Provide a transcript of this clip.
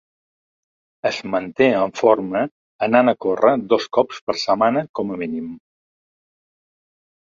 Es manté en forma anant a córrer dos cops per setmana com a mínim.